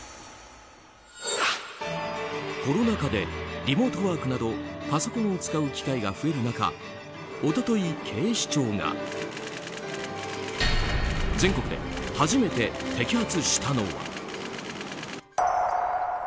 コロナ禍でリモートワークなどパソコンを使う機会が増える中一昨日、警視庁が全国で初めて摘発したのは。